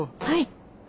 はい。